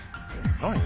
何？